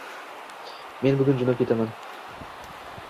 Men bugun jo'nab ketaman.